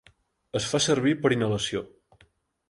Es fa servir per inhalació.